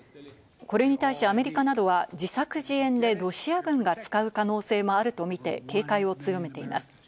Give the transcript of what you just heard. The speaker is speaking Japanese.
これに対しアメリカなどは自作自演でロシア軍が使う可能性もあるとみて警戒を強めています。